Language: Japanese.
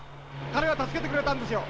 彼が助けてくれたんですよ。